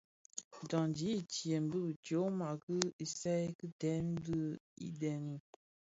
Dyandi itsem bi tyoma ti isaï ki dèň dhi ibëňi.